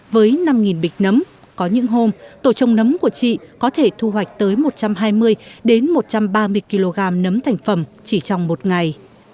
với năm bịch nấm có những hôm tổ trồng nấm của chị có thể thu hoạch tới một trăm hai mươi một trăm ba mươi kg nấm thành phẩm chỉ trong một ngày